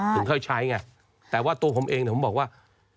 ถึงค่อยใช้ไงแต่ว่าตัวผมเองผมบอกว่า